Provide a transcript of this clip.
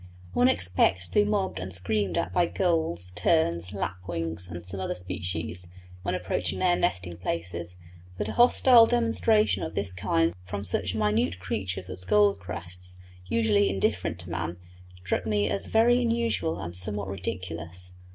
One expects to be mobbed and screamed at by gulls, terns, lapwings, and some other species, when approaching their nesting places, but a hostile demonstration of this kind from such minute creatures as gold crests, usually indifferent to man, struck me as very unusual and somewhat ridiculous.